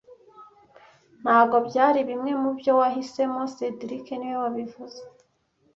Ntabwo byari bimwe mubyo wahisemo cedric niwe wabivuze